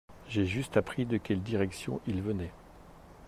J’ai juste appris de quelle direction ils venaient.